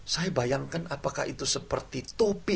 saya bayangkan apakah itu seperti topi